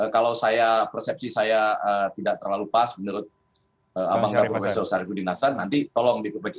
kalau persepsi saya tidak terlalu pas menurut amangdabur prof sari budi nassan nanti tolong diperbaiki